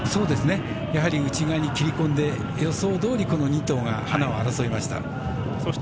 内側に切り込んで予想どおり、この２頭がハナを争いました。